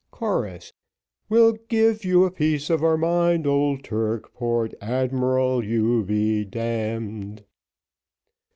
Chorus. We'll give you a piece of our mind, old Turk, Port Admiral, you be d d.